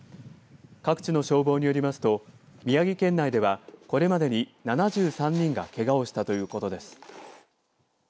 各地の消防によりますと宮城県内ではこれまでに７３人がけがをしたということです。